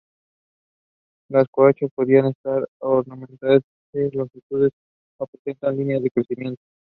Las conchas podían estar ornamentadas con pliegues longitudinales o presentar líneas de crecimiento.